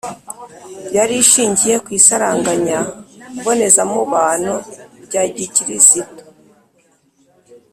yari ishingiye ku isaranganya mbonezamubano rya gikirisitu